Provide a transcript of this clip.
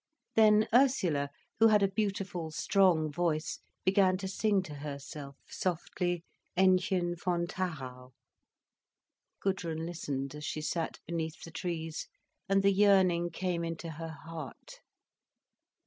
Then Ursula, who had a beautiful strong voice, began to sing to herself, softly: "Ännchen von Tharau." Gudrun listened, as she sat beneath the trees, and the yearning came into her heart.